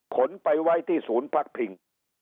คนไปไว้ที่ศูนย์พักพิง